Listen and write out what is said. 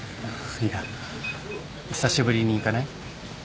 いや久しぶりに行かない？